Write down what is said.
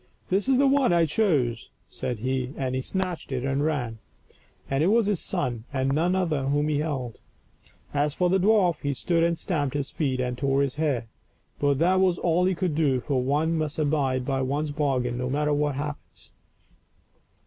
" This is the one I choose," said he, and he snatched it and ran. And it was his son and none other whom he held. As for the dwarf, he stood and stamped his feet and tore his hair, but that was all he could do, for one must abide by one's bargain, no matter what happens.